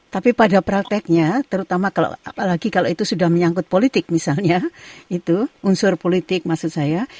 tapi pada prakteknya terutama apalagi kalau itu sudah menyangkut politik misalnya itu unsur politik maksud saya